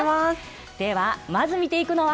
ではまず見ていくのは？